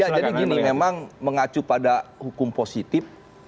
ya jadi gini memang mengacu pada hukum positif